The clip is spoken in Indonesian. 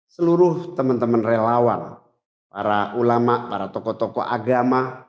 seluruh teman teman relawan para ulama para tokoh tokoh agama